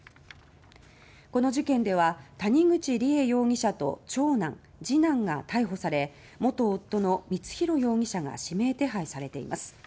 この事件では谷口梨恵容疑者と長男、次男が逮捕され元夫の光弘容疑者が指名手配されています。